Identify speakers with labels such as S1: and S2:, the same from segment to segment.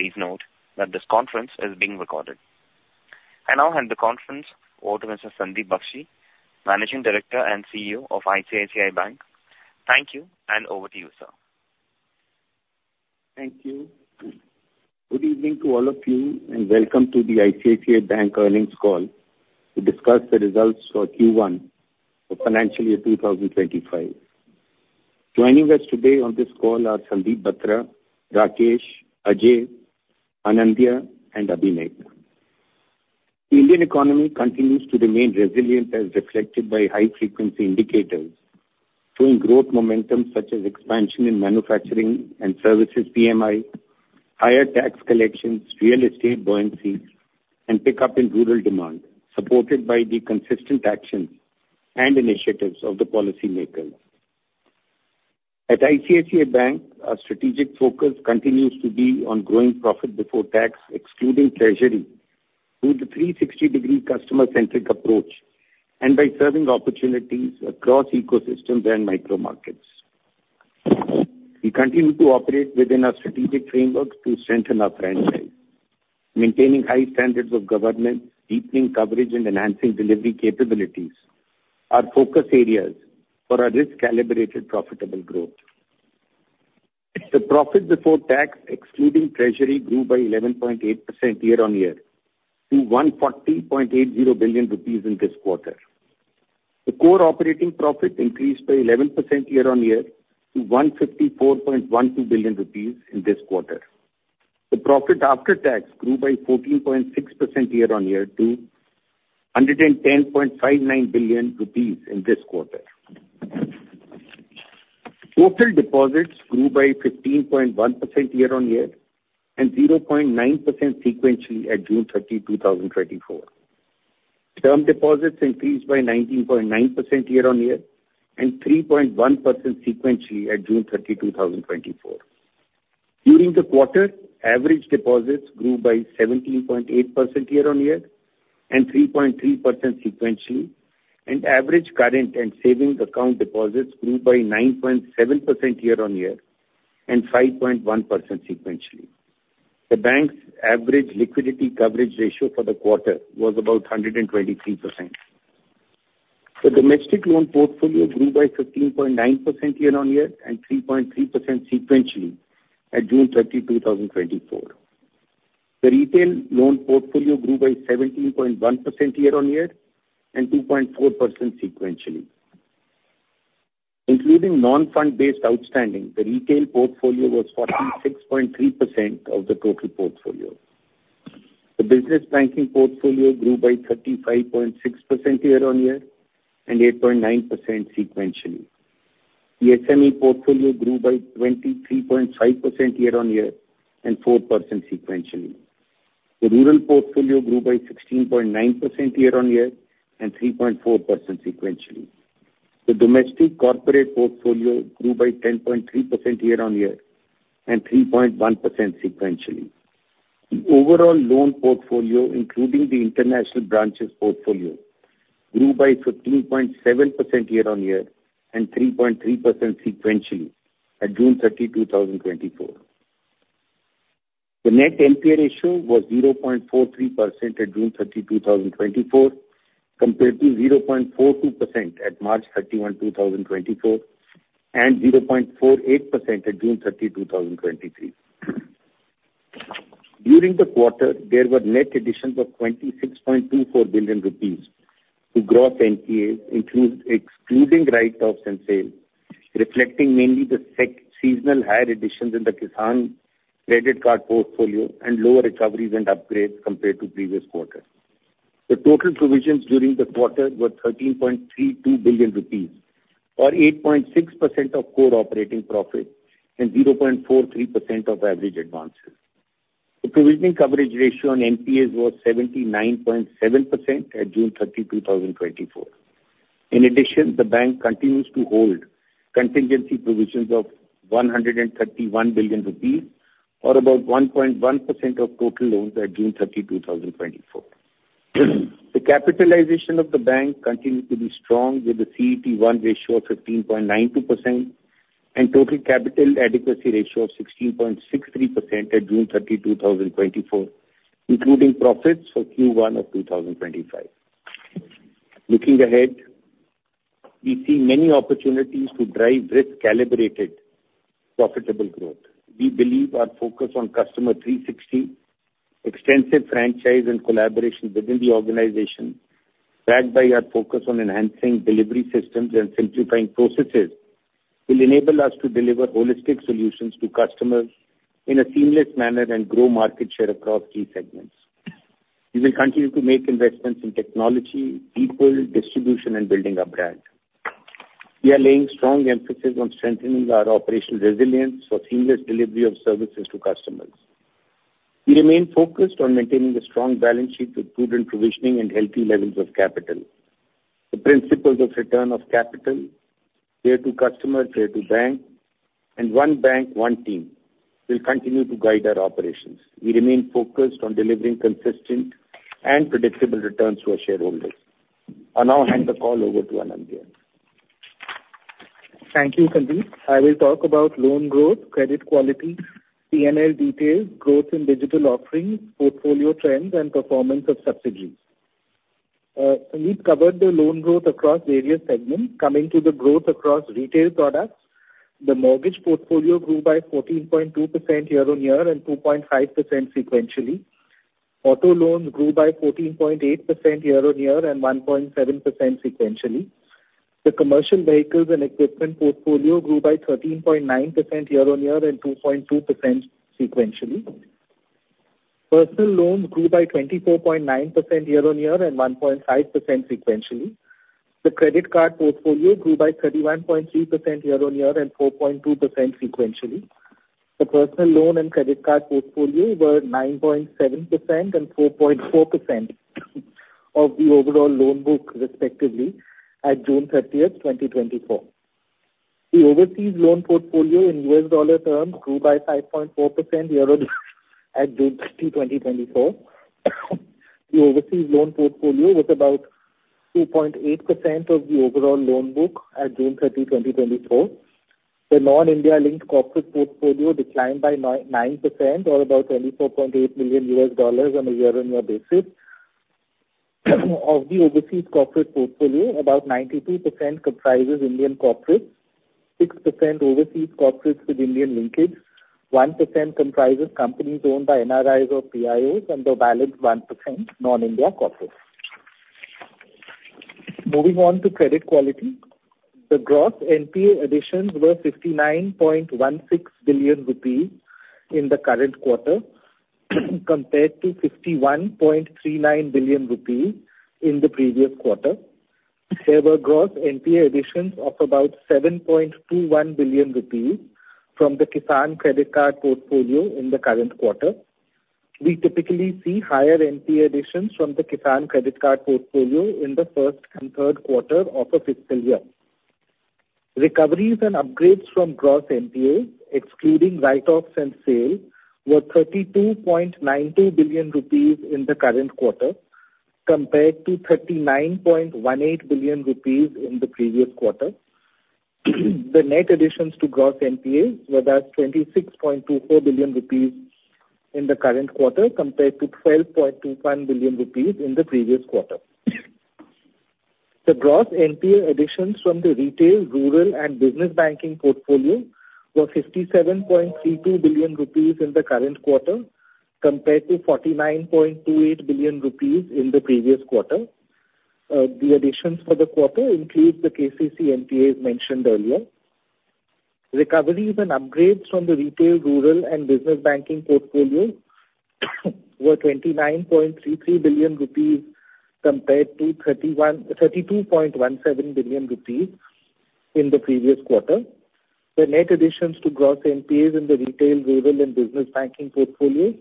S1: Please note that this conference is being recorded. I now hand the conference over to Mr. Sandeep Bakhshi, Managing Director and CEO of ICICI Bank. Thank you, and over to you, sir.
S2: Thank you. Good evening to all of you, and welcome to the ICICI Bank earnings call to discuss the results for Q1 for financial year 2025. Joining us today on this call are Sandeep Batra, Rakesh, Ajay, Anindya, and Abhinay. Indian economy continues to remain resilient, as reflected by high-frequency indicators, showing growth momentum, such as expansion in manufacturing and services PMI, higher tax collections, real estate buoyancy, and pickup in rural demand, supported by the consistent actions and initiatives of the policymakers. At ICICI Bank, our strategic focus continues to be on growing profit before tax, excluding treasury, through the 360-degree customer-centric approach and by serving opportunities across ecosystems and micro markets. We continue to operate within our strategic framework to strengthen our franchise, maintaining high standards of governance, deepening coverage, and enhancing delivery capabilities, are focus areas for our risk-calibrated, profitable growth. The profit before tax, excluding treasury, grew by 11.8% year-on-year to 140.80 billion rupees in this quarter. The core operating profit increased by 11% year-on-year to 154.12 billion rupees in this quarter. The profit after tax grew by 14.6% year-on-year to 110.59 billion rupees in this quarter. Total deposits grew by 15.1% year-on-year and 0.9% sequentially at June 30, 2024. Term deposits increased by 19.9% year-on-year and 3.1% sequentially at June 30, 2024. During the quarter, average deposits grew by 17.8% year-on-year and 3.3% sequentially, and average current and savings account deposits grew by 9.7% year-on-year and 5.1% sequentially. The bank's average liquidity coverage ratio for the quarter was about 123%. The domestic loan portfolio grew by 15.9% year-on-year and 3.3% sequentially at June 30, 2024. The retail loan portfolio grew by 17.1% year-on-year and 2.4% sequentially. Including non-fund-based outstanding, the retail portfolio was 46.3% of the total portfolio. The business banking portfolio grew by 35.6% year-on-year and 8.9% sequentially. The SME portfolio grew by 23.5% year-on-year and 4% sequentially. The rural portfolio grew by 16.9% year-on-year and 3.4% sequentially. The domestic corporate portfolio grew by 10.3% year-on-year and 3.1% sequentially. The overall loan portfolio, including the international branches portfolio, grew by 15.7% year-on-year and 3.3% sequentially at June 30, 2024. The net NPA ratio was 0.43% at June 30, 2024, compared to 0.42% at March 31, 2024, and 0.48% at June 30, 2023. During the quarter, there were net additions of 26.24 billion rupees to gross NPAs, excluding write-offs and sales, reflecting mainly the seasonal higher additions in the Kisan Credit Card portfolio and lower recoveries and upgrades compared to previous quarter. The total provisions during the quarter were 13.32 billion rupees, or 8.6% of core operating profit and 0.43% of average advances. The provisioning coverage ratio on NPAs was 79.7% at June 30, 2024. In addition, the bank continues to hold contingency provisions of 131 billion rupees, or about 1.1% of total loans at June 30, 2024. The capitalization of the bank continues to be strong, with a CET1 ratio of 15.92% and total capital adequacy ratio of 16.63% at June 30, 2024, including profits for Q1 of 2025. Looking ahead, we see many opportunities to drive risk-calibrated, profitable growth. We believe our focus on Customer 360, extensive franchise and collaboration within the organization, backed by our focus on enhancing delivery systems and simplifying processes, will enable us to deliver holistic solutions to customers in a seamless manner and grow market share across key segments. We will continue to make investments in technology, people, distribution, and building our brand. We are laying strong emphasis on strengthening our operational resilience for seamless delivery of services to customers. We remain focused on maintaining a strong balance sheet with prudent provisioning and healthy levels of capital. The principles of return of capital, fair to customers, fair to bank, and one bank, one team, will continue to guide our operations. We remain focused on delivering consistent and predictable returns to our shareholders. I now hand the call over to Anindya.
S3: Thank you, Sandeep. I will talk about loan growth, credit quality, P&L details, growth in digital offerings, portfolio trends, and performance of subsidiaries. Sandeep covered the loan growth across various segments. Coming to the growth across retail products, the mortgage portfolio grew by 14.2% year-on-year and 2.5% sequentially. Auto loans grew by 14.8% year-on-year and 1.7% sequentially. The commercial vehicles and equipment portfolio grew by 13.9% year-on-year and 2.2% sequentially. Personal loans grew by 24.9% year-on-year and 1.5% sequentially. The credit card portfolio grew by 31.3% year-on-year and 4.2% sequentially. The personal loan and credit card portfolio were 9.7% and 4.4% of the overall loan book, respectively, at June 30, 2024. The overseas loan portfolio in U.S. dollar terms grew by 5.4% year-on-year at June 30, 2024. The overseas loan portfolio was about 2.8% of the overall loan book at June 30, 2024. The non-India linked corporate portfolio declined by 9% or about $24.8 million on a year-on-year basis. Of the overseas corporate portfolio, about 92% comprises Indian corporates, 6% overseas corporates with Indian linkage, 1% comprises companies owned by NRIs or PIOs, and the balance 1%, non-India corporates. Moving on to credit quality. The Gross NPA additions were 59.16 billion rupees in the current quarter, compared to 51.39 billion rupees in the previous quarter. There were gross NPA additions of about 7.21 billion rupees from the Kisan Credit Card portfolio in the current quarter. We typically see higher NPA additions from the Kisan Credit Card portfolio in the first and third quarter of a fiscal year. Recoveries and upgrades from gross NPAs, excluding write-offs and sale, were 32.92 billion rupees in the current quarter, compared to 39.18 billion rupees in the previous quarter. The net additions to gross NPAs were at 26.24 billion rupees in the current quarter, compared to 12.21 billion rupees in the previous quarter. The gross NPA additions from the retail, rural, and business banking portfolio were 57.32 billion rupees in the current quarter, compared to 49.28 billion rupees in the previous quarter. The additions for the quarter include the KCC NPAs mentioned earlier. Recoveries and upgrades from the retail, rural, and business banking portfolio were 29.33 billion rupees compared to 32.17 billion rupees in the previous quarter. The net additions to gross NPAs in the retail, rural, and business banking portfolio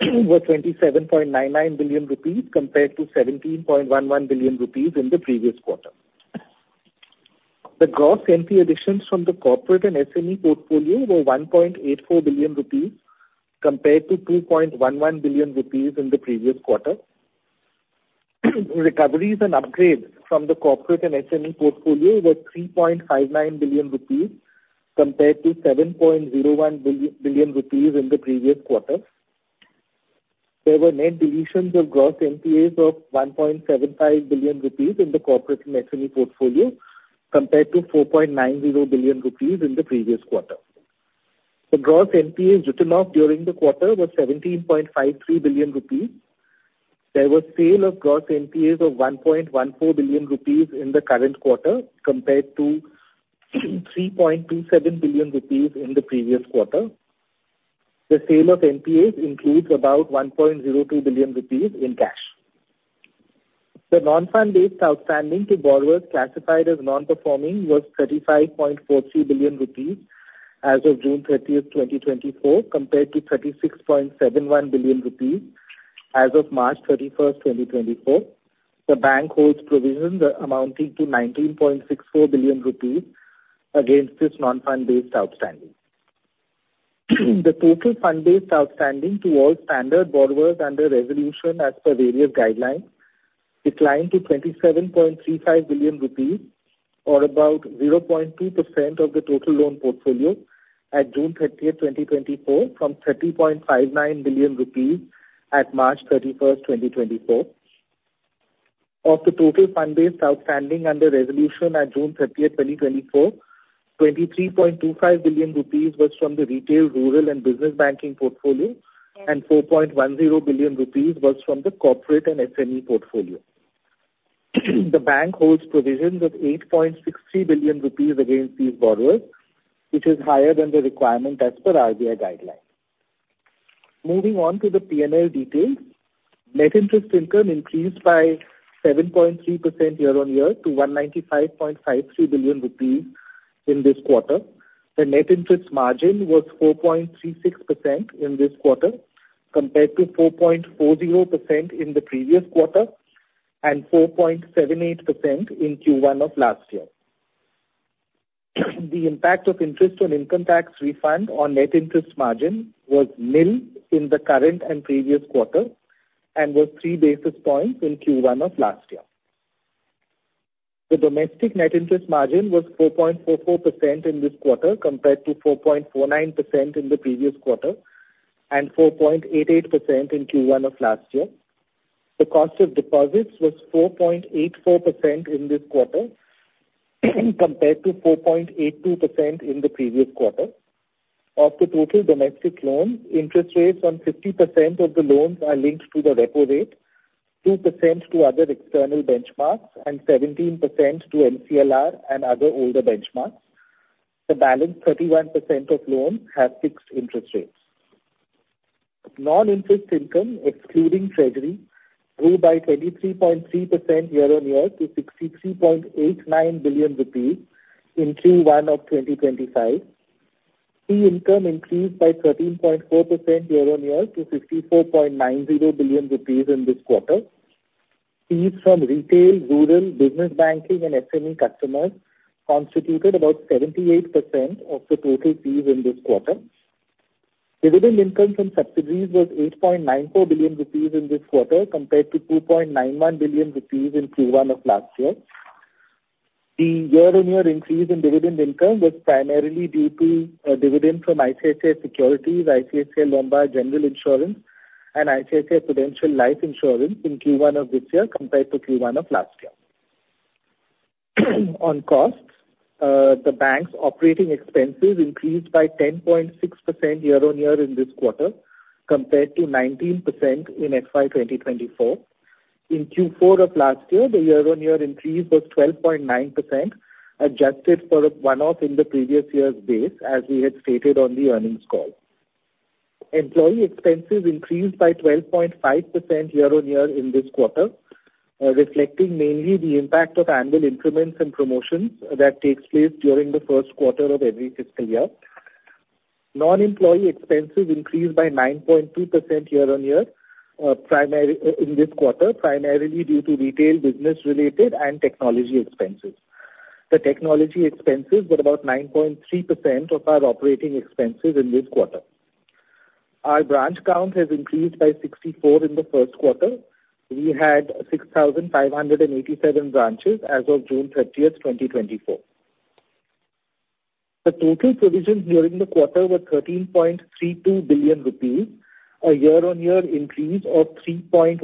S3: were 27.99 billion rupees compared to 17.11 billion rupees in the previous quarter. The gross NPA additions from the corporate and SME portfolio were 1.84 billion rupees compared to 2.11 billion rupees in the previous quarter. Recoveries and upgrades from the corporate and SME portfolio were 3.59 billion rupees compared to 7.01 billion rupees in the previous quarter. There were net deletions of gross NPAs of 1.75 billion rupees in the corporate and SME portfolio, compared to 4.90 billion rupees in the previous quarter. The gross NPAs written off during the quarter was 17.53 billion rupees. There was sale of gross NPAs of 1.14 billion rupees in the current quarter, compared to three point two seven billion rupees in the previous quarter. The sale of NPAs includes about 1.02 billion rupees in cash. The non-fund-based outstanding to borrowers classified as non-performing was 35.42 billion rupees as of June 30th, 2024, compared to 36.71 billion rupees as of March 31st, 2024. The bank holds provisions amounting to 19.64 billion rupees against this non-fund-based outstanding. The total fund-based outstanding towards standard borrowers under resolution as per various guidelines, declined to 27.35 billion rupees, or about 0.2% of the total loan portfolio at June 30th, 2024, from 30.59 billion rupees at March 31st, 2024. Of the total fund-based outstanding under resolution at June 30th, 2024, 23.25 billion rupees was from the retail, rural, and business banking portfolio, and 4.10 billion rupees was from the corporate and SME portfolio. The bank holds provisions of 8.63 billion rupees against these borrowers, which is higher than the requirement as per RBI guidelines. Moving on to the P&L details. Net interest income increased by 7.3% year-over-year to 195.53 billion rupees in this quarter. The net interest margin was 4.36% in this quarter, compared to 4.40% in the previous quarter, and 4.78% in Q1 of last year. The impact of interest on income tax refund on net interest margin was nil in the current and previous quarter, and was 3 basis points in Q1 of last year. The domestic net interest margin was 4.44% in this quarter, compared to 4.49% in the previous quarter, and 4.88% in Q1 of last year. The cost of deposits was 4.84% in this quarter, compared to 4.82% in the previous quarter. Of the total domestic loans, interest rates on 50% of the loans are linked to the repo rate, 2% to other external benchmarks, and 17% to MCLR and other older benchmarks. The balance 31% of loans have fixed interest rates. Non-interest income, excluding treasury, grew by 23.3% year-on-year to 63.89 billion rupees in Q1 of 2025. Fee income increased by 13.4% year-on-year to 64.90 billion rupees in this quarter. Fees from retail, rural, business banking, and SME customers constituted about 78% of the total fees in this quarter. Dividend income from subsidiaries was 8.94 billion rupees in this quarter, compared to 2.91 billion rupees in Q1 of last year. The year-on-year increase in dividend income was primarily due to dividends from ICICI Securities, ICICI Lombard General Insurance, and ICICI Prudential Life Insurance in Q1 of this year, compared to Q1 of last year. On costs, the bank's operating expenses increased by 10.6% year-on-year in this quarter, compared to 19% in FY 2024. In Q4 of last year, the year-on-year increase was 12.9%, adjusted for a one-off in the previous year's base, as we had stated on the earnings call. Employee expenses increased by 12.5% year-on-year in this quarter, reflecting mainly the impact of annual increments and promotions that takes place during the first quarter of every fiscal year. Non-employee expenses increased by 9.2% year-on-year, in this quarter, primarily due to retail business related and technology expenses. The technology expenses were about 9.3% of our operating expenses in this quarter. Our branch count has increased by 64 in the first quarter. We had 6,587 branches as of June 30, 2024. The total provisions during the quarter were 13.32 billion rupees, a year-on-year increase of 3.1%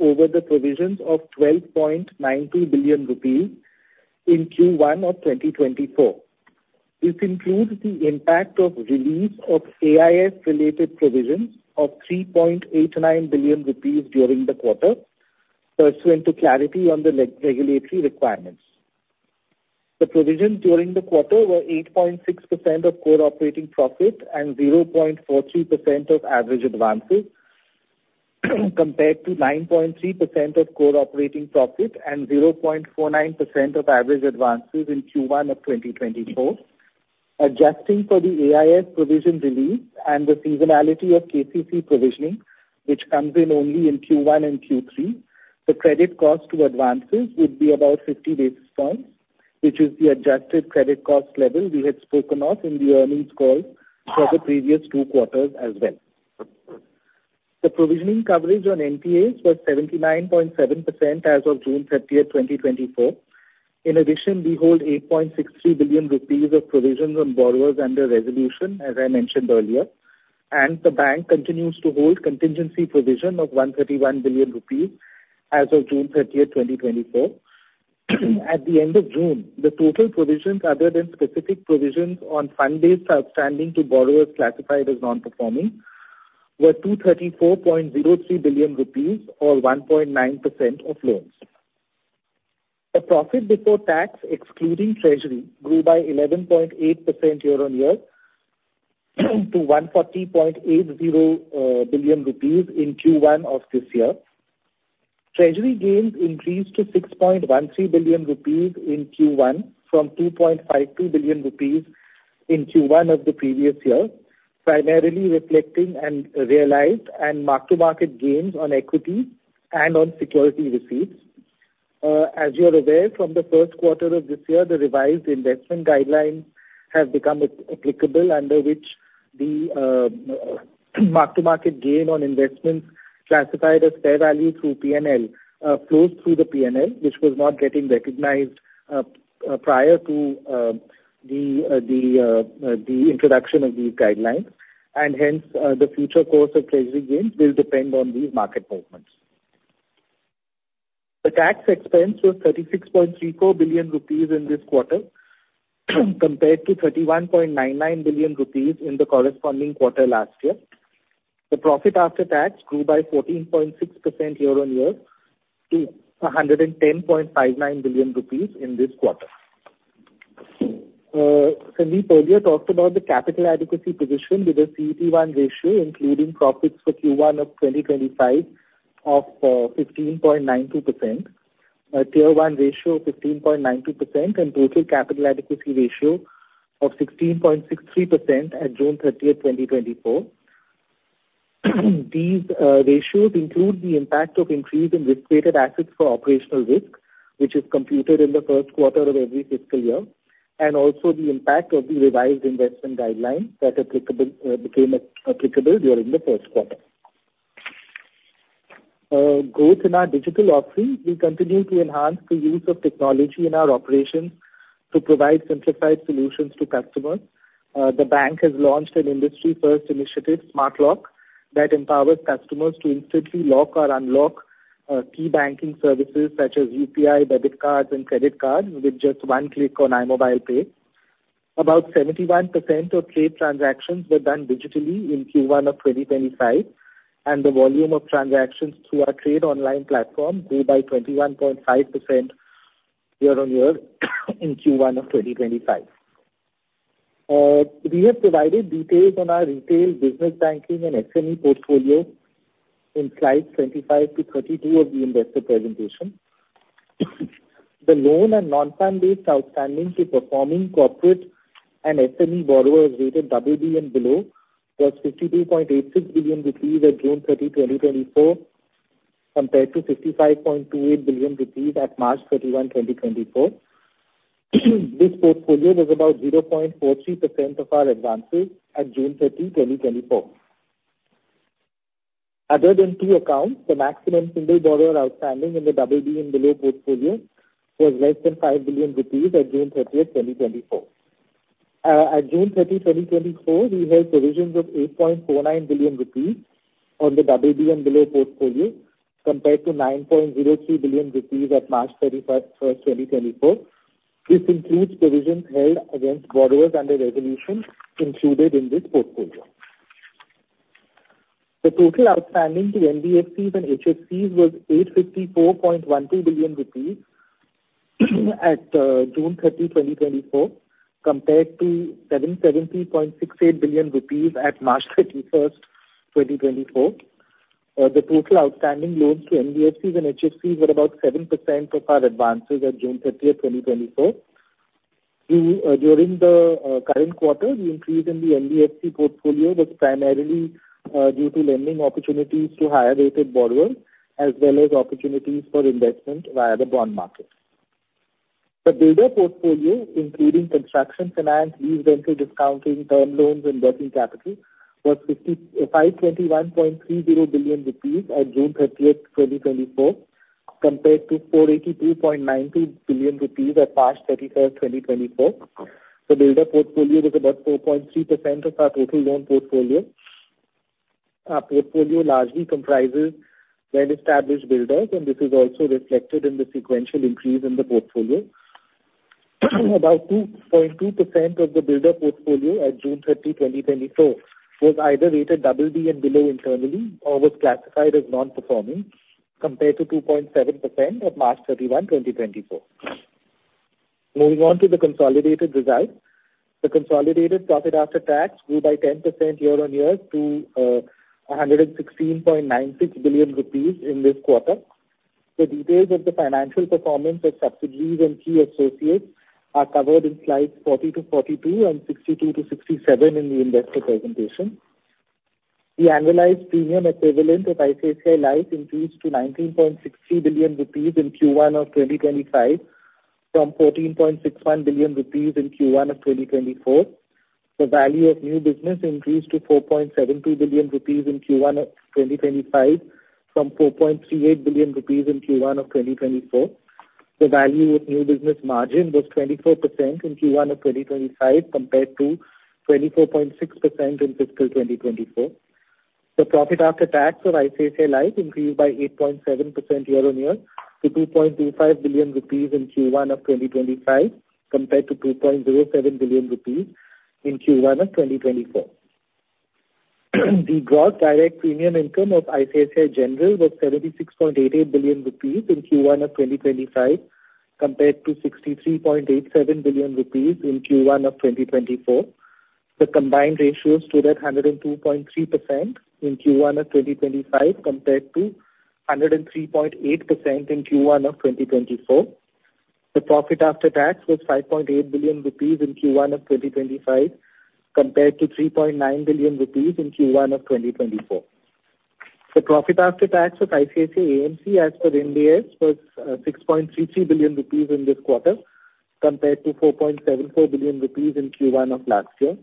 S3: over the provisions of 12.92 billion rupees in Q1 of 2024. This includes the impact of release of AIF-related provisions of 3.89 billion rupees during the quarter, pursuant to clarity on the regulatory requirements. The provisions during the quarter were 8.6% of core operating profit and 0.43% of average advances, compared to 9.3% of core operating profit and 0.49% of average advances in Q1 of 2024. Adjusting for the AIF provision release and the seasonality of KCC provisioning, which comes in only in Q1 and Q3, the credit cost to advances would be about 50 basis points, which is the adjusted credit cost level we had spoken of in the earnings call for the previous two quarters as well. The provisioning coverage on NPAs was 79.7% as of June 30th, 2024. In addition, we hold 8.63 billion rupees of provisions on borrowers under resolution, as I mentioned earlier, and the bank continues to hold contingency provision of 131 billion rupees as of June 30th, 2024. At the end of June, the total provisions, other than specific provisions on funded outstanding to borrowers classified as non-performing, were 234.03 billion rupees or 1.9% of loans. The profit before tax, excluding treasury, grew by 11.8% year-on-year, to 140.80 billion rupees in Q1 of this year. Treasury gains increased to 6.13 billion rupees in Q1, from 2.52 billion rupees in Q1 of the previous year, primarily reflecting realized and mark-to-market gains on equity and on security receipts. As you are aware, from the first quarter of this year, the revised investment guidelines have become applicable, under which the mark-to-market gain on investments classified as fair value through P&L flows through the P&L, which was not getting recognized prior to the introduction of these guidelines. Hence, the future course of treasury gains will depend on these market movements. The tax expense was 36.34 billion rupees in this quarter, compared to 31.99 billion rupees in the corresponding quarter last year. The profit after tax grew by 14.6% year-on-year to 110.59 billion rupees in this quarter. Sandeep earlier talked about the capital adequacy position, with a CET1 ratio, including profits for Q1 of 2025 of 15.92%, a Tier 1 ratio of 15.92%, and total capital adequacy ratio of 16.63% at June 30th, 2024. These ratios include the impact of increase in risk-weighted assets for operational risk, which is computed in the first quarter of every fiscal year, and also the impact of the revised investment guidelines that became applicable during the first quarter. Growth in our digital offering, we continue to enhance the use of technology in our operations to provide simplified solutions to customers. The bank has launched an industry-first initiative, SmartLock, that empowers customers to instantly lock or unlock key banking services such as UPI, debit cards and credit cards with just one click on iMobile Pay. About 71% of trade transactions were done digitally in Q1 of 2025, and the volume of transactions through our trade online platform grew by 21.5% year-on-year in Q1 of 2025. We have provided details on our retail business banking and SME portfolio in slides 25 to 32 of the investor presentation. The loan and non-fund-based outstanding to performing corporate and SME borrowers rated BB and below was 52.86 billion rupees at June 30, 2024, compared to 55.28 billion rupees at March 31, 2024. This portfolio was about 0.43% of our advances at June 30, 2024. Other than two accounts, the maximum single borrower outstanding in the BB and below portfolio was less than 5 billion rupees at June 30, 2024. At June 30, 2024, we held provisions of 8.49 billion rupees on the BB and below portfolio, compared to 9.03 billion rupees at March 31, 2024. This includes provisions held against borrowers under resolution included in this portfolio. The total outstanding to NBFCs and HFCs was 854.12 billion rupees at June 30, 2024, compared to 770.68 billion rupees at March 31, 2024. The total outstanding loans to NBFCs and HFCs were about 7% of our advances at June 30, 2024. We, during the current quarter, the increase in the NBFC portfolio was primarily due to lending opportunities to higher-rated borrowers, as well as opportunities for investment via the bond market. The builder portfolio, including construction finance, lease rental discounting, term loans, and working capital, was 5,521.30 billion rupees at June 30, 2024, compared to 482.92 billion rupees at March 31, 2024. The builder portfolio was about 4.3% of our total loan portfolio. Our portfolio largely comprises well-established builders, and this is also reflected in the sequential increase in the portfolio. About 2.2% of the builder portfolio at June 30, 2024, was either rated BB and below internally or was classified as non-performing, compared to 2.7% at March 31, 2024. Moving on to the consolidated results. The consolidated profit after tax grew by 10% year-on-year to 116.96 billion rupees in this quarter. The details of the financial performance of subsidiaries and key associates are covered in slides 40-42 and 62-67 in the investor presentation. The annualized premium equivalent of ICICI Life increased to 19.63 billion rupees in Q1 of 2025 from 14.61 billion rupees in Q1 of 2024. The value of new business increased to 4.72 billion rupees in Q1 of 2025 from 4.38 billion rupees in Q1 of 2024. The value of new business margin was 24% in Q1 of 2025, compared to 24.6% in fiscal 2024. The profit after tax of ICICI Life increased by 8.7% year-on-year to 2.25 billion rupees in Q1 of 2025, compared to 2.07 billion rupees in Q1 of 2024. The gross direct premium income of ICICI General was 76.88 billion rupees in Q1 of 2025, compared to 63.87 billion rupees in Q1 of 2024. The combined ratio stood at 102.3% in Q1 of 2025, compared to 103.8% in Q1 of 2024. The profit after tax was 5.8 billion rupees in Q1 of 2025, compared to 3.9 billion rupees in Q1 of 2024. The profit after tax of ICICI AMC, as per IND AS, was 6.33 billion rupees in this quarter, compared to 4.74 billion rupees in Q1 of last year.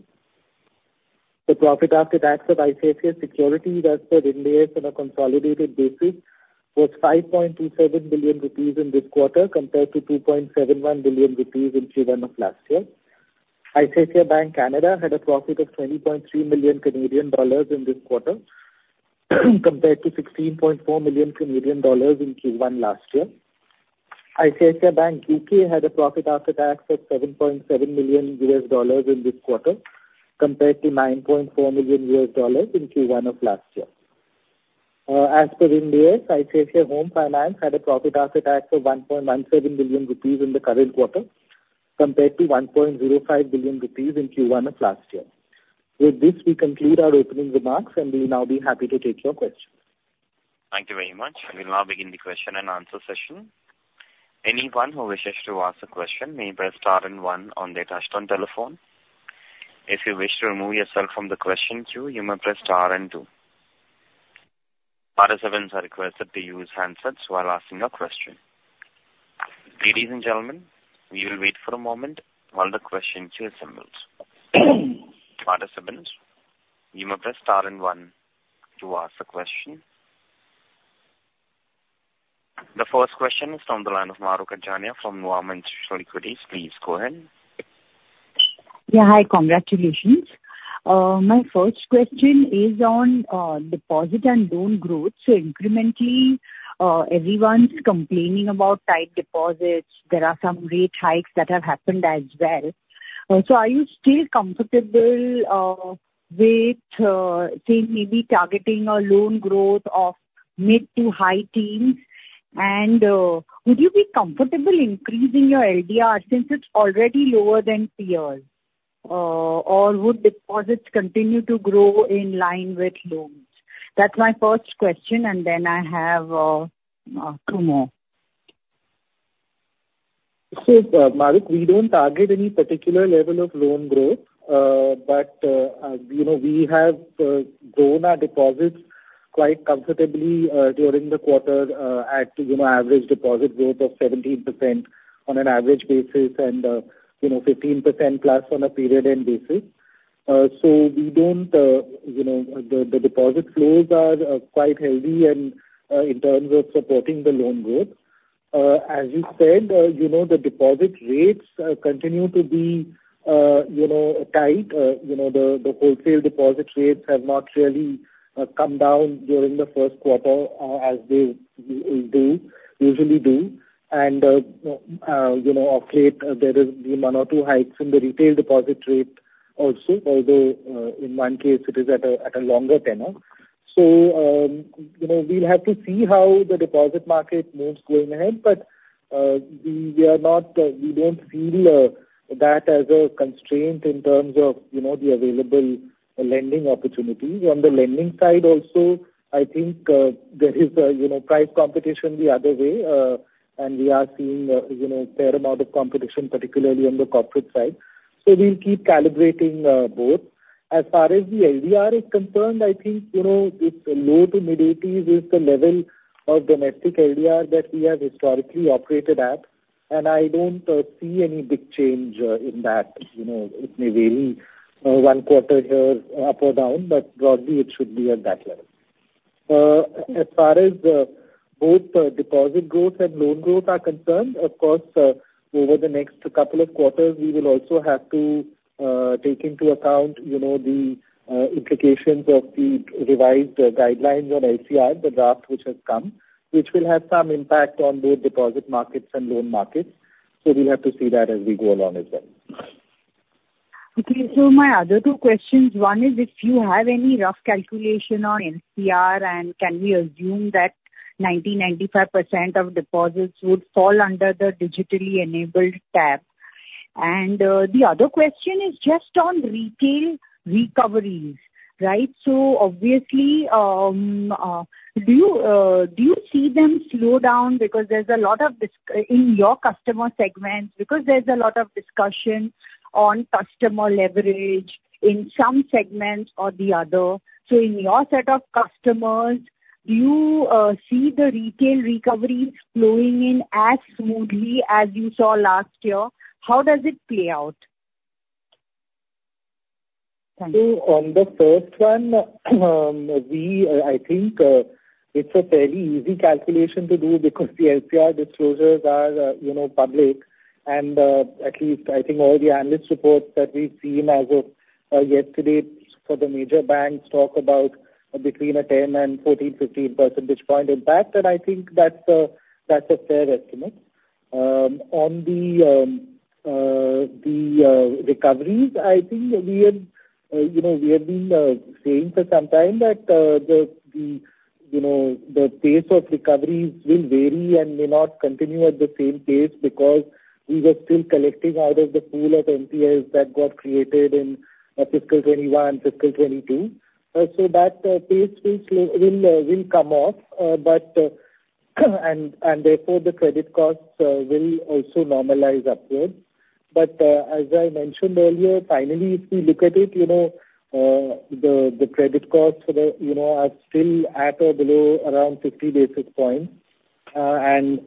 S3: The profit after tax of ICICI Securities, as per IND AS on a consolidated basis, was 5.27 billion rupees in this quarter, compared to 2.71 billion rupees in Q1 of last year. ICICI Bank Canada had a profit of 20.3 million Canadian dollars in this quarter, compared to 16.4 million Canadian dollars in Q1 last year. ICICI Bank U.K. had a profit after tax of $7.7 million in this quarter, compared to $9.4 million in Q1 of last year. As per IND AS, ICICI Home Finance had a profit after tax of 1.17 billion rupees in the current quarter, compared to 1.05 billion rupees in Q1 of last year. With this, we conclude our opening remarks, and we'll now be happy to take your questions.
S1: Thank you very much. I will now begin the question and answer session. Anyone who wishes to ask a question may press star and one on their touchtone telephone. If you wish to remove yourself from the question queue, you may press star and two. Participants are requested to use handsets while asking a question. Ladies and gentlemen, we will wait for a moment while the question queue assembles. Participants, you may press star and one to ask a question. The first question is from the line of Mahrukh Adajania from Nuvama Institutional Equities. Please go ahead.
S4: Yeah, hi, congratulations. My first question is on deposit and loan growth. So incrementally, everyone's complaining about tight deposits. There are some rate hikes that have happened as well. So are you still comfortable with, say, maybe targeting a loan growth of mid to high teens? And, would you be comfortable increasing your LDR since it's already lower than peers? Or would deposits continue to grow in line with loans? That's my first question, and then I have two more.
S3: So, Mahrukh, we don't target any particular level of loan growth, but, as you know, we have grown our deposits quite comfortably during the quarter, at, you know, average deposit growth of 17% on an average basis and, you know, 15%+ on a period end basis. So we don't, you know, the, the deposit flows are quite healthy and, in terms of supporting the loan growth. As you said, you know, the deposit rates continue to be, you know, tight. You know, the, the wholesale deposit rates have not really come down during the first quarter, as they, they usually do. You know, of late, there is one or two hikes in the retail deposit rate also, although in one case it is at a longer tenure. So, you know, we'll have to see how the deposit market moves going ahead, but we are not, we don't feel that as a constraint in terms of, you know, the available lending opportunities. On the lending side also, I think there is a, you know, price competition the other way, and we are seeing, you know, a fair amount of competition, particularly on the corporate side, so we'll keep calibrating both. As far as the LDR is concerned, I think, you know, it's low to mid-80s is the level of domestic LDR that we have historically operated at, and I don't see any big change in that. You know, it may vary one quarter here, up or down, but broadly it should be at that level. As far as both deposit growth and loan growth are concerned, of course, over the next couple of quarters, we will also have to take into account, you know, the implications of the revised guidelines on LCR, the draft which has come, which will have some impact on both deposit markets and loan markets. So we'll have to see that as we go along as well.
S4: Okay. So my other two questions, one is if you have any rough calculation on LCR, and can we assume that 90%-95% of deposits would fall under the digitally enabled tab? And the other question is just on retail recoveries, right? So obviously, do you see them slow down? Because there's a lot of discussion in your customer segments, because there's a lot of discussion on customer leverage in some segments or the other. So in your set of customers, do you see the retail recoveries flowing in as smoothly as you saw last year? How does it play out?
S3: So on the first one, I think it's a fairly easy calculation to do because the LCR disclosures are, you know, public, and at least I think all the analyst reports that we've seen as of yesterday for the major banks talk about between 10 and 14, 15 percentage point impact, and I think that's a fair estimate. On the recoveries, I think we have, you know, we have been saying for some time that the pace of recoveries will vary and may not continue at the same pace because we were still collecting out of the pool of NPAs that got created in fiscal 2021, fiscal 2022. So that pace will come off, but and therefore, the credit costs will also normalize upwards. But as I mentioned earlier, finally, if we look at it, you know, the credit costs for the, you know, are still at or below around 50 basis points, and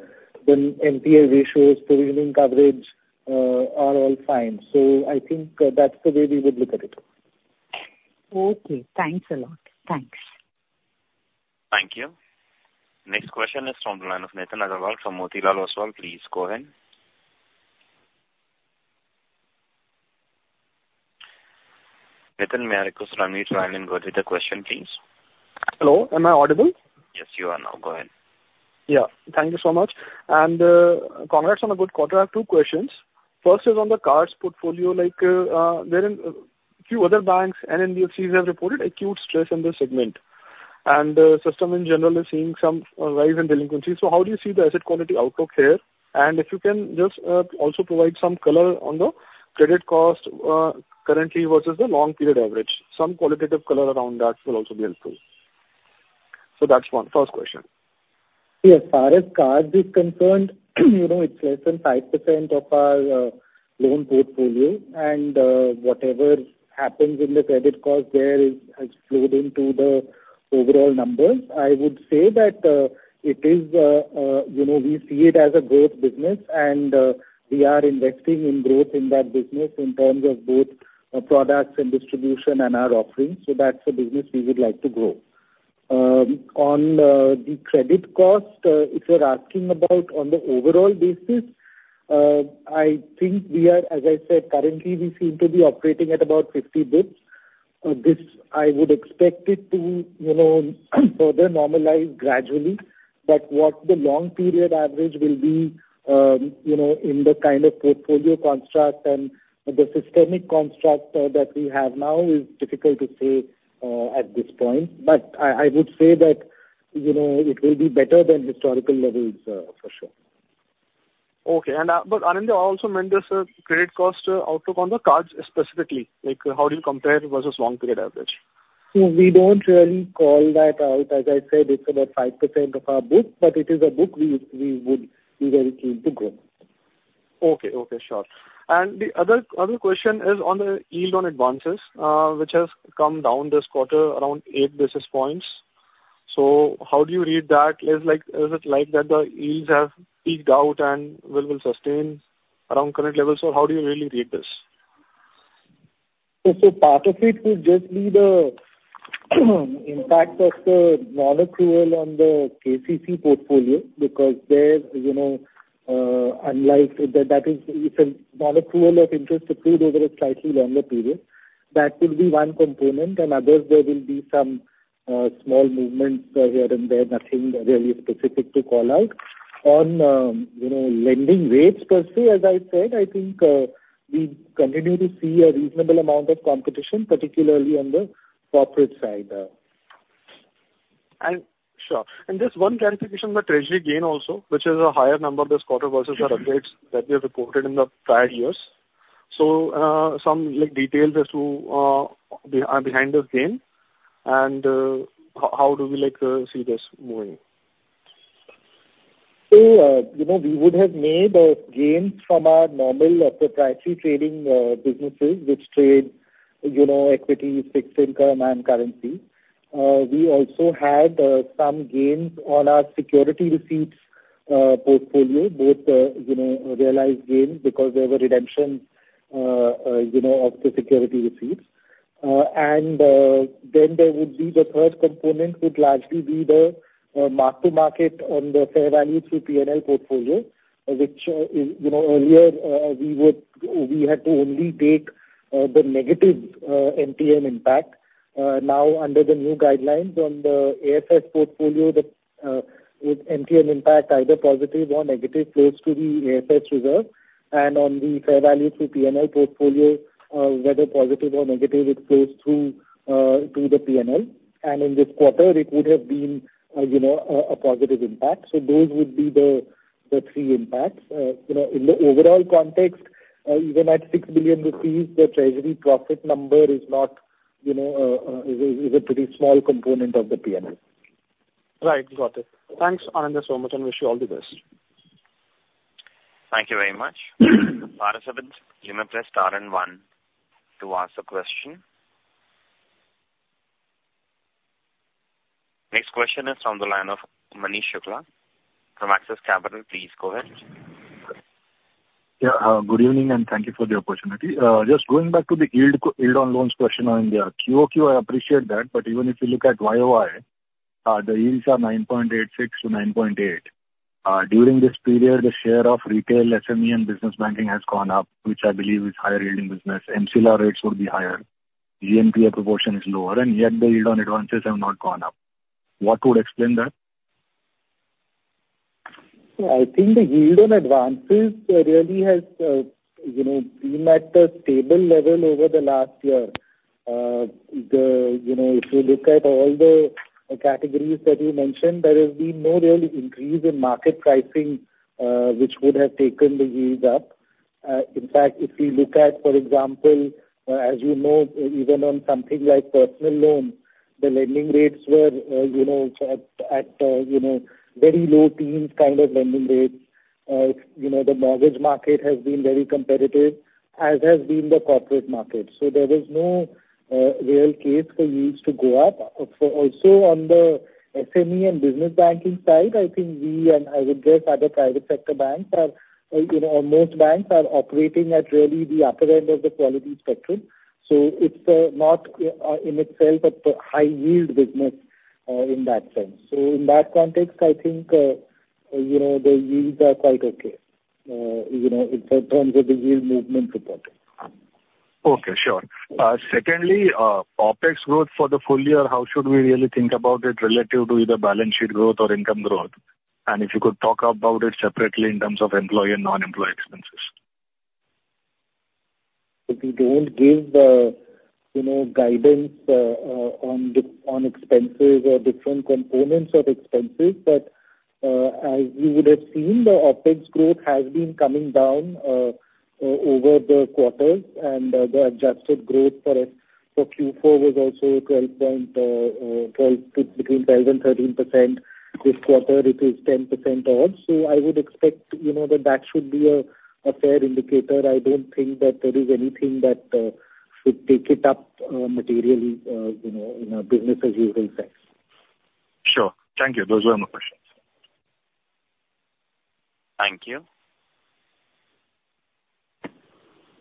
S3: the NPA ratios, provisioning coverage, are all fine. So I think that's the way we would look at it.
S4: Okay, thanks a lot. Thanks.
S1: Thank you. Next question is from the line of Nitin Aggarwal from Motilal Oswal. Please go ahead. Nitin, may I request you to unmute your line and go with the question, please?
S5: Hello, am I audible?
S1: Yes, you are now. Go ahead.
S5: Yeah, thank you so much, and, congrats on a good quarter. I have two questions. First is on the cards portfolio, like, there in a few other banks and NBFCs have reported acute stress in this segment, and, system in general is seeing some, rise in delinquency. So how do you see the asset quality outlook here? And if you can just, also provide some color on the credit cost, currently versus the long period average. Some qualitative color around that will also be helpful. So that's one, first question.
S3: See, as far as cards is concerned, you know, it's less than 5% of our loan portfolio, and whatever happens in the credit card there is has flowed into the overall numbers. I would say that it is, you know, we see it as a growth business, and we are investing in growth in that business in terms of both products and distribution and our offerings, so that's a business we would like to grow. On the credit cost, if you're asking about on the overall basis, I think we are, as I said, currently we seem to be operating at about 50 basis points. This, I would expect it to, you know, further normalize gradually, but what the long period average will be, you know, in the kind of portfolio construct and the systemic construct that we have now, is difficult to say, at this point. But I, I would say that, you know, it will be better than historical levels, for sure.
S5: Okay, but Anindya, I also meant this, credit cost outlook on the cards specifically, like, how do you compare it versus long period average?
S3: We don't really call that out. As I said, it's about 5% of our book, but it is a book we, we would be very keen to grow.
S5: Okay. Okay, sure. And the other, other question is on the yield on advances, which has come down this quarter around eight basis points. So how do you read that? Is like- is it like that the yields have peaked out and will, will sustain around current levels, or how do you really read this?
S3: So, part of it will just be the impact of the non-accrual on the KCC portfolio because there, you know, unlike the, that is, it's a non-accrual of interest accrued over a slightly longer period. That could be one component, and others there will be some small movements here and there, nothing really specific to call out. On, you know, lending rates per se, as I said, I think we continue to see a reasonable amount of competition, particularly on the corporate side.
S5: Sure. Just one clarification on the treasury gain also, which is a higher number this quarter versus our upgrades that we have reported in the prior years. So, some, like, details as to behind this gain, and how do we, like, see this moving?
S3: So, you know, we would have made gains from our normal proprietary trading businesses which trade, you know, equity, fixed income and currency. We also had some gains on our security receipts portfolio, both, you know, realized gains because there were redemption, you know, of the security receipts. And then there would be the mark-to-market on the fair value through P&L portfolio, which is, you know, earlier, we would we had to only take the negative MTM impact. Now, under the new guidelines on the AFS portfolio, the with MTM impact, either positive or negative, flows to the AFS reserve. And on the fair value to P&L portfolio, whether positive or negative, it flows through to the P&L. In this quarter, it would have been, you know, a positive impact. So those would be the three impacts. You know, in the overall context, even at 6 billion rupees, the treasury profit number is not, you know, a pretty small component of the P&L.
S5: Right. Got it. Thanks, Anindya, so much, and wish you all the best.
S1: Thank you very much. Participants, you may press star and one to ask a question. Next question is on the line of Manish Shukla from Axis Capital. Please go ahead.
S6: Yeah, good evening, and thank you for the opportunity. Just going back to the yield, yield on loans question, Anindya. QoQ, I appreciate that, but even if you look at YoY, the yields are 9.86-9.8. During this period, the share of retail, SME and business banking has gone up, which I believe is higher yield in business. MCLR rates would be higher, GNPA proportion is lower, and yet the yield on advances have not gone up. What would explain that?
S3: I think the yield on advances really has, you know, been at a stable level over the last year. You know, if you look at all the categories that you mentioned, there has been no real increase in market pricing, which would have taken the yields up. In fact, if you look at, for example, as you know, even on something like personal loans, the lending rates were, you know, at, at, you know, very low teens kind of lending rates. You know, the mortgage market has been very competitive, as has been the corporate market. So there is no real case for yields to go up. So also on the SME and business banking side, I think we and, I would guess, other private sector banks are, you know, or most banks are operating at really the upper end of the quality spectrum, so it's not, in itself, a high-yield business, in that sense. So in that context, I think, you know, the yields are quite okay. You know, in terms of the yield movement reported.
S6: Okay, sure. Secondly, OpEx growth for the full year, how should we really think about it relative to either balance sheet growth or income growth? And if you could talk about it separately in terms of employee and non-employee expenses.
S3: We don't give, you know, guidance on expenses or different components of expenses, but as you would have seen, the OpEx growth has been coming down over the quarters, and the adjusted growth for Q4 was also 12%-13%. This quarter it is 10% or so. I would expect, you know, that that should be a fair indicator. I don't think that there is anything that should take it up materially, you know, in our business as usual sense.
S6: Sure. Thank you. Those were my questions.
S1: Thank you.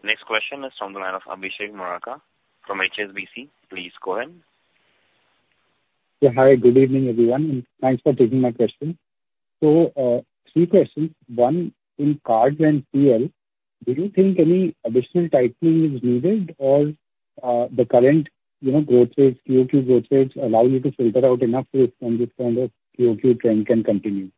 S1: Next question is from the line of Abhishek Murarka from HSBC. Please go ahead.
S7: Yeah, hi, good evening, everyone, and thanks for taking my question. So, three questions. One, in cards and PL, do you think any additional tightening is needed or, the current, you know, growth rates, QoQ growth rates, allow you to filter out enough risk and this kind of QoQ trend can continue?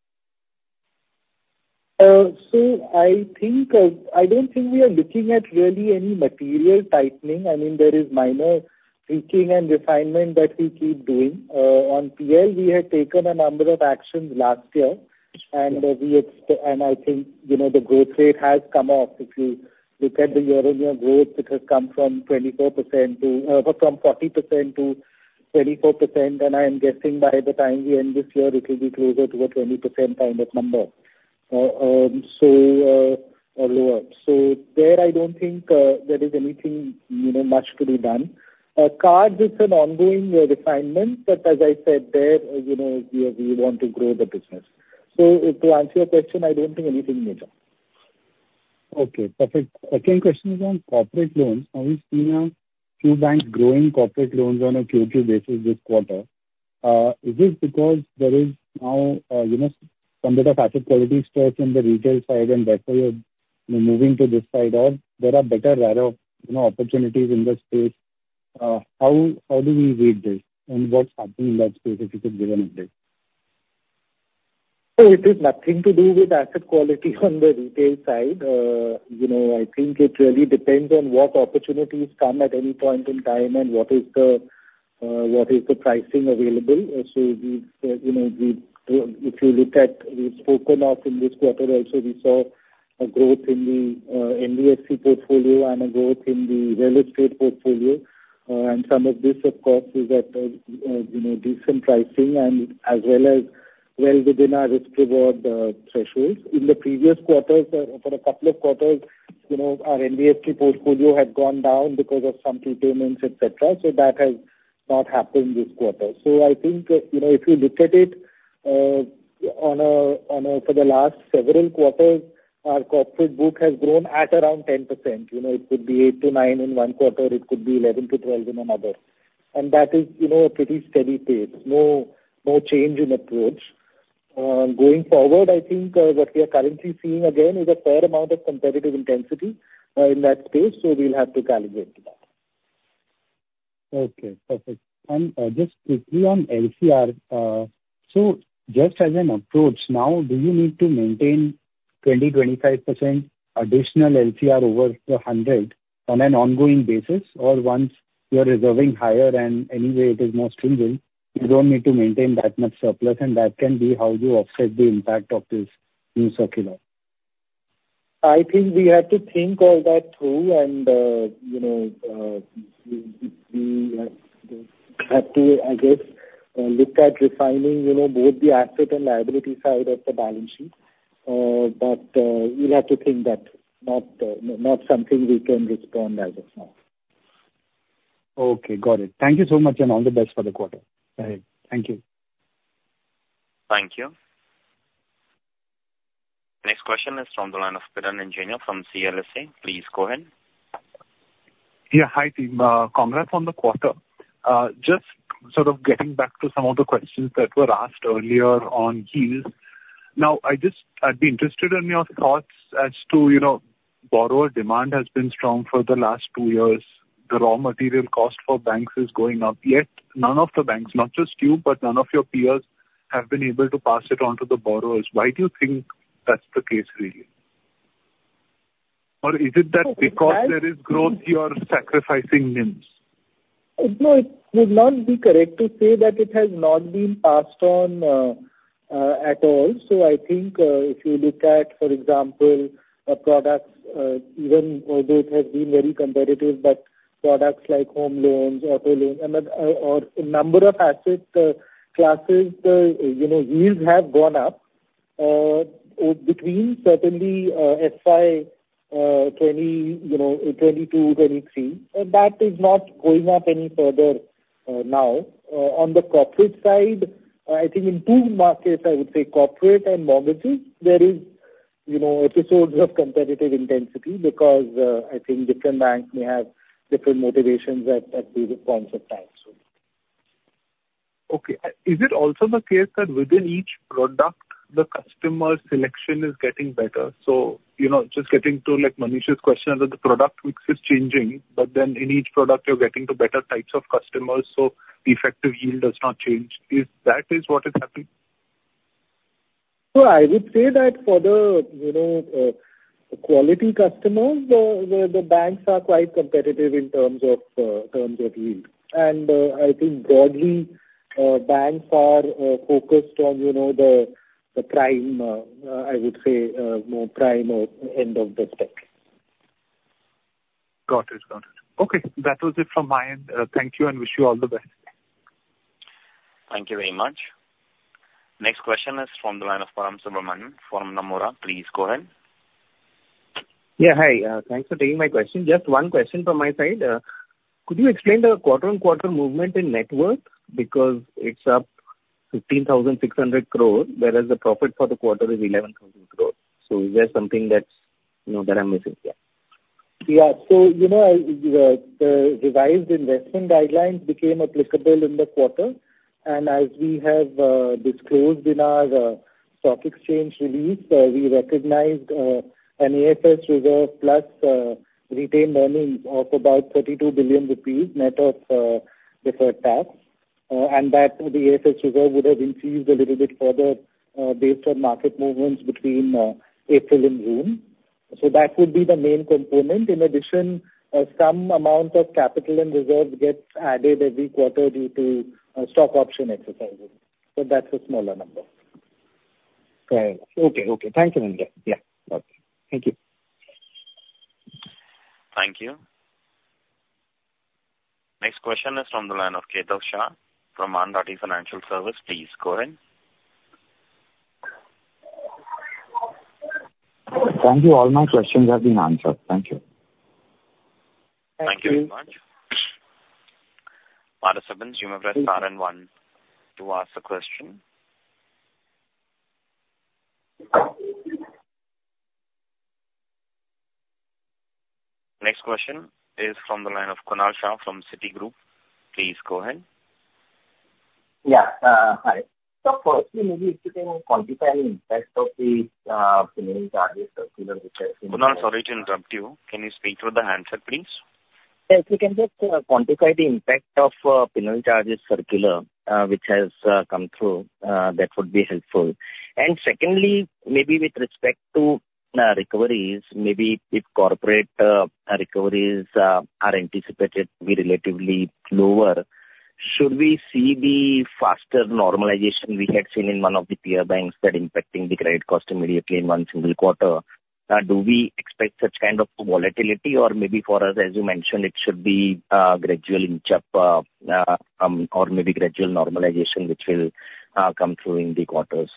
S3: So I think, I don't think we are looking at really any material tightening. I mean, there is minor tweaking and refinement that we keep doing. On PL, we had taken a number of actions last year, and, we have, and I think, you know, the growth rate has come off. If you look at the year-on-year growth, it has come from 24% to, from 40% to 24%, and I am guessing by the time we end this year, it will be closer to a 20% kind of number. So, or lower. So there, I don't think, there is anything, you know, much to be done. Cards is an ongoing refinement, but as I said there, you know, we, we want to grow the business. To answer your question, I don't think anything major.
S7: Okay, perfect. Second question is on corporate loans. Now we've seen a few banks growing corporate loans on a QoQ basis this quarter. Is this because there is now, you know, some of the asset quality stress in the retail side and therefore you're, you're moving to this side, or there are better, rather, you know, opportunities in this space? How do we read this and what's happening in that specific given update?
S3: So it is nothing to do with asset quality on the retail side. You know, I think it really depends on what opportunities come at any point in time and what is the, what is the pricing available. So we, you know, we, if you look at, we've spoken of in this quarter also, we saw a growth in the, NBFC portfolio and a growth in the real estate portfolio. And some of this, of course, is at, you know, decent pricing and as well as well within our risk reward, thresholds. In the previous quarters, for a couple of quarters, you know, our NBFC portfolio had gone down because of some repayments, et cetera, so that has not happened this quarter. So I think, you know, if you look at it, for the last several quarters, our corporate book has grown at around 10%. You know, it could be 8%-9% in one quarter, it could be 11%-12% in another. And that is, you know, a pretty steady pace. No, no change in approach. Going forward, I think, what we are currently seeing again is a fair amount of competitive intensity, in that space, so we'll have to calibrate to that.
S7: Okay, perfect. And just quickly on LCR, so just as an approach, now, do you need to maintain 20%-25% additional LCR over the 100 on an ongoing basis? Or once you are reserving higher and anyway it is more stringent, you don't need to maintain that much surplus, and that can be how you offset the impact of this new circular?
S3: I think we have to think all that through and, you know, we have to, I guess, look at refining, you know, both the asset and liability side of the balance sheet. But, we'll have to think that, not something we can respond as of now.
S7: Okay, got it. Thank you so much, and all the best for the quarter. Bye. Thank you.
S1: Thank you. Next question is from the line of Piran Engineer from CLSA. Please go ahead.
S8: Yeah, hi, team. Congrats on the quarter. Just sort of getting back to some of the questions that were asked earlier on yields. Now, I just... I'd be interested in your thoughts as to, you know, borrower demand has been strong for the last two years. The raw material cost for banks is going up, yet none of the banks, not just you, but none of your peers, have been able to pass it on to the borrowers. Why do you think that's the case, really? Or is it that because there is growth, you are sacrificing NIMs?
S3: No, it would not be correct to say that it has not been passed on at all. So I think, if you look at, for example, products, even although it has been very competitive, but products like home loans, auto loans, and, or a number of asset classes, you know, yields have gone up, between certainly, FY 2022, 2023. That is not going up any further, now. On the corporate side, I think in two markets, I would say corporate and mortgages, there is, you know, episodes of competitive intensity because, I think different banks may have different motivations at, these points of time, so.
S8: Okay. Is it also the case that within each product, the customer selection is getting better? So, you know, just getting to, like, Manish's question, that the product mix is changing, but then in each product, you're getting to better types of customers, so the effective yield does not change. Is that what is happening?
S3: So I would say that for the, you know, quality customers, the banks are quite competitive in terms of terms of yield. And, I think broadly, banks are focused on, you know, the prime, I would say, more prime or end of the spec.
S8: Got it. Got it. Okay, that was it from my end. Thank you and wish you all the best.
S1: Thank you very much. Next question is from the line of Param Subramanian from Nomura. Please go ahead.
S9: Yeah, hi. Thanks for taking my question. Just one question from my side. Could you explain the quarter-on-quarter movement in net worth? Because it's up 15,600 crore, whereas the profit for the quarter is 11,000 crore. So is there something that's, you know, that I'm missing here?
S3: Yeah. So, you know, the revised investment guidelines became applicable in the quarter. And as we have disclosed in our stock exchange release, we recognized an AFS reserve plus retained earnings of about 32 billion rupees, net of deferred tax. And that the AFS reserve would have increased a little bit further based on market movements between April and June. So that would be the main component. In addition, some amount of capital and reserves gets added every quarter due to stock option exercises, but that's a smaller number.
S9: Fair. Okay, okay. Thank you, Anindya. Yeah, okay. Thank you.
S1: Thank you. Next question is from the line of Kaitav Shah from Anand Rathi Financial Services. Please go ahead.
S10: Thank you. All my questions have been answered. Thank you.
S1: Thank you very much. Participants, you may press star and one to ask a question. Next question is from the line of Kunal Shah from Citigroup. Please go ahead.
S11: Yeah, hi. So firstly, maybe if you can quantify the impact of the penalty charges circular which has-
S1: Kunal, sorry to interrupt you. Can you speak through the handset, please?
S11: Yes, if you can just quantify the impact of penalty charges circular, which has come through, that would be helpful. And secondly, maybe with respect to recoveries, maybe if corporate recoveries are anticipated to be relatively lower, should we see the faster normalization we had seen in one of the tier banks that impacting the credit cost immediately in one single quarter? Do we expect such kind of volatility? Or maybe for us, as you mentioned, it should be gradually inch up, or maybe gradual normalization, which will come through in the quarters.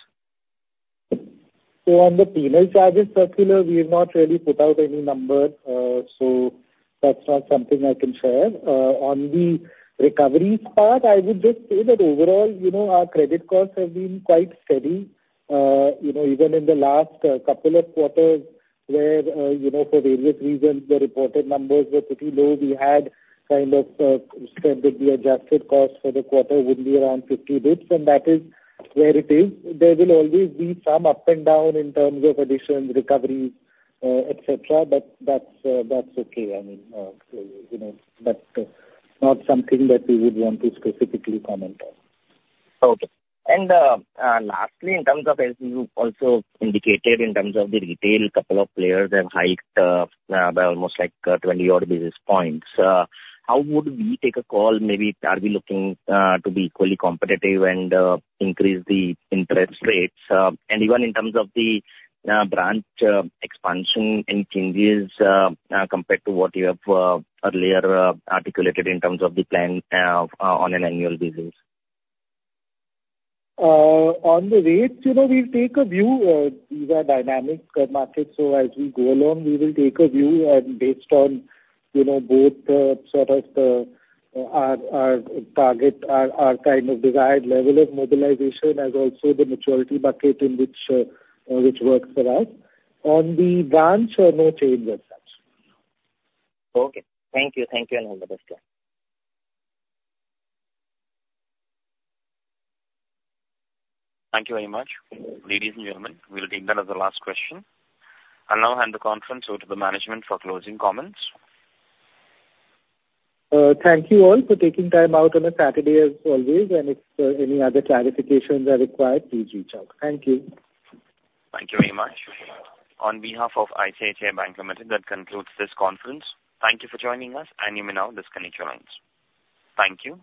S3: So on the penalty charges circular, we have not really put out any number, so that's not something I can share. On the recoveries part, I would just say that overall, you know, our credit costs have been quite steady. You know, even in the last couple of quarters where you know, for various reasons, the reported numbers were pretty low, we had kind of said that the adjusted cost for the quarter would be around 50 basis, and that is where it is. There will always be some up and down in terms of additional recoveries, et cetera, but that's, that's okay. I mean, so, you know, but, not something that we would want to specifically comment on.
S11: Okay. And lastly, in terms of as you also indicated in terms of the retail, couple of players have hiked by almost like 20-odd basis points. How would we take a call? Maybe are we looking to be equally competitive and increase the interest rates? And even in terms of the branch expansion and changes compared to what you have earlier articulated in terms of the plan on an annual basis?
S3: On the rates, you know, we'll take a view. These are dynamic markets, so as we go along, we will take a view and based on, you know, both, sort of, our target, our kind of desired level of mobilization and also the maturity bucket in which which works for us. On the branch, no change as such.
S11: Okay. Thank you. Thank you, and all the best.
S1: Thank you very much. Ladies and gentlemen, we will take that as the last question. I'll now hand the conference over to the management for closing comments.
S3: Thank you all for taking time out on a Saturday, as always, and if any other clarifications are required, please reach out. Thank you.
S1: Thank you very much. On behalf of ICICI Bank Limited, that concludes this conference. Thank you for joining us, and you may now disconnect your lines. Thank you.